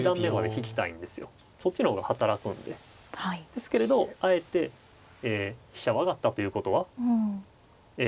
ですけれどあえてえ飛車を上がったということはえ